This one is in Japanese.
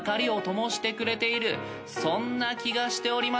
そんな気がしております。